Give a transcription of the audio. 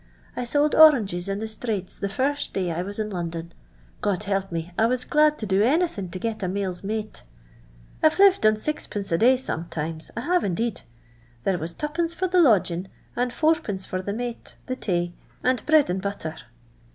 I sold oranges in the strates the first day I was iu London. God help me, I was glad to do any thing to get a male's mate. I 've lived on Qd. a day sometimes. I have indeed. There was 2d. for the lodging, and 4^. for the mate, the t:iy and bread and butter.